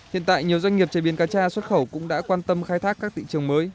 hiện tại nhiều doanh nghiệp chế biến cá tra xuất khẩu cũng đã quan tâm khai thác các thị trường mới